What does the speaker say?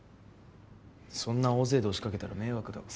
そんな大勢で押しかけたら迷惑だから。